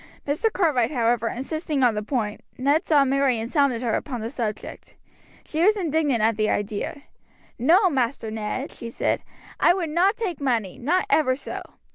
Mr. Cartwright, however, insisting on the point, Ned saw Mary and sounded her upon the subject. She was indignant at the idea. "No, Master Ned," she said, "I would not take money, not ever so.